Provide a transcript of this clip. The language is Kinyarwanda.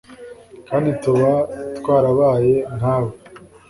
kandi tuba twarabaye nkawe